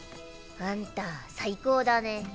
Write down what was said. あんた最高だね。